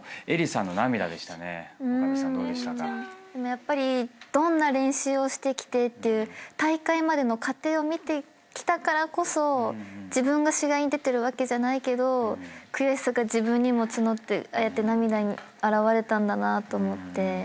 やっぱりどんな練習をしてきてっていう大会までの過程を見てきたからこそ自分が試合に出てるわけじゃないけど悔しさが自分にも募ってああやって涙に表れたんだなと思って。